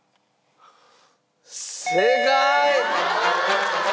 正解！